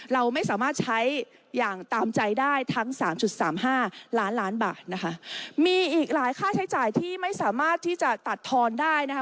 เราไม่สามารถใช้อย่างตามใจได้ทั้งสามจุดสามห้าล้านล้านบาทนะคะมีอีกหลายค่าใช้จ่ายที่ไม่สามารถที่จะตัดทอนได้นะคะ